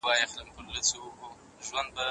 موږ باید د دین د ارزښتونو رعایت وکړو.